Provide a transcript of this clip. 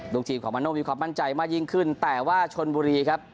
ลูกทีมของมาโน่มีความมั่นใจมากยิ่งขึ้นแต่ว่าชนบุรีครับ